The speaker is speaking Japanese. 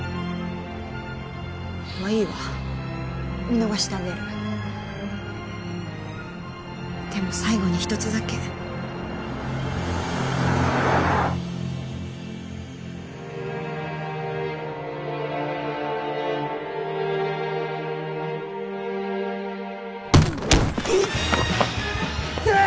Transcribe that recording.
まっいいわ見逃してあげるでも最後に一つだけイッテエ！